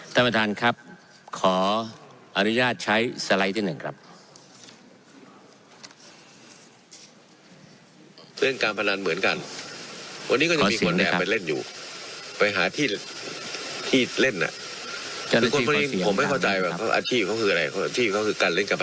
ท่านประธานครับขออนุญาตใช้สไลด์ที่๑ครับ